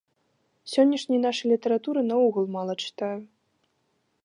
Сённяшняй нашай літаратуры наогул мала чытаю.